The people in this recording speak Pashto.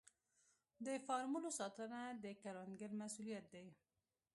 د فارمونو ساتنه د کروندګر مسوولیت دی.